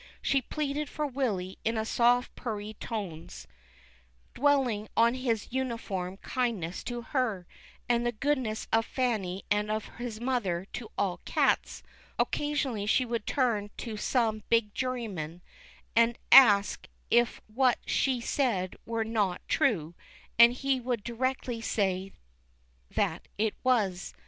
She pleaded for Willy in soft purry tones, dwelling on his uniform kindness to her, and the goodness of Fanny and of his mother to all cats ; occasionally she would turn to some big juryman, and ask if what she said were not true, and he would directly say that it was.